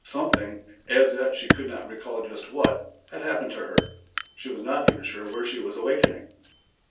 Something, as yet she could not recall just what, had happened to her; she was not even sure where she was awakening.